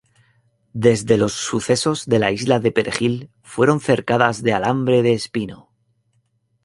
Desde los sucesos de la isla de Perejil, fueron cercadas de alambre de espino.